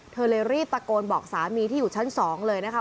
เธอเลยรีบตะโกนบอกสามีที่อยู่ชั้น๒เลยนะคะ